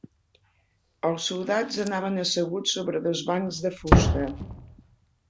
Els soldats anaven asseguts sobre dos bancs de fusta.